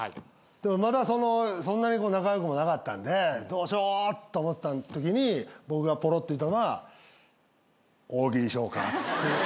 でもまだそんなに仲良くもなかったんでどうしようと思ってたときに僕がぽろっと言ったのは大喜利しよか。